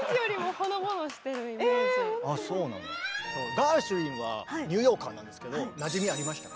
ガーシュウィンはニューヨーカーなんですけどなじみありましたか？